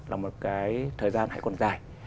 là một thời gian hay còn dài